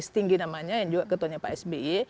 tinggi namanya yang juga ketuanya pak sbi